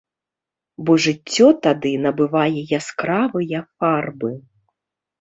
Бо жыццё тады набывае яскравыя фарбы.